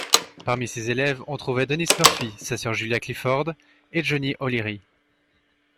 Parmi ses élèves on trouvait Denis Murphy, sa sœur Julia Clifford et Johnny O'Leary.